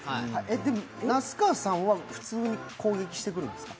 那須川さんは普通に攻撃してくるんですか？